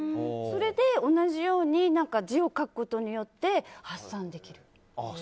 それで同じように字を書くことによって発散できる。